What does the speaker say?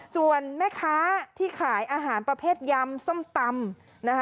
ส่วนแม่ค้าที่ขายอาหารประเภทยำส้มตำนะคะ